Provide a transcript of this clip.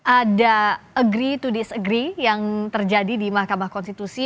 ada agree to dis agree yang terjadi di mahkamah konstitusi